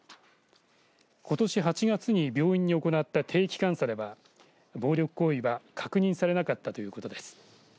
ことし８月に病院に行った定期監査では暴力行為は確認されなかったということです。